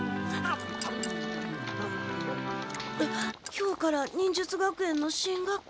今日から忍術学園の新学期。